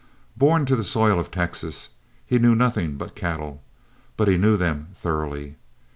Born to the soil of Texas, he knew nothing but cattle, but he knew them thoroughly.